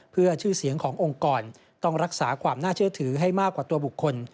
เพื่อชื่อเสียงขององค์กรต้องรักษาความน่าเชื่อถือให้มากกว่าตัวบุคคล